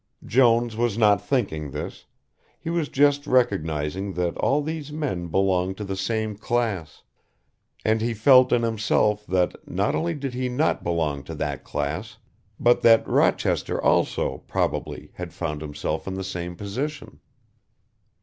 Jones was not thinking this, he was just recognising that all these men belonged to the same class, and he felt in himself that, not only did he not belong to that class, but that Rochester also, probably, had found himself in the same position.